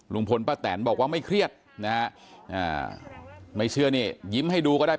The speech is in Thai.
ลุงพลป้าแตนบอกว่าไม่เครียดนะฮะไม่เชื่อนี่ยิ้มให้ดูก็ได้